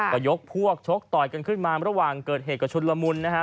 ก็ยกพวกชกต่อยกันขึ้นมาระหว่างเกิดเหตุกระชุนละมุนนะฮะ